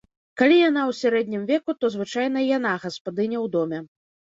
Калі яна ў сярэднім веку, то звычайна яна гаспадыня ў доме.